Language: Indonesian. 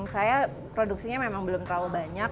saya produksinya memang belum terlalu banyak